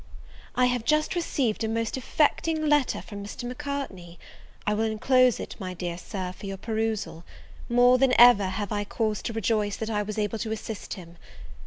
I HAVE just received a most affecting letter from Mr. Macartney. I will inclose it, my dear Sir, for your perusal. More than ever have I cause to rejoice that I was able to assist him.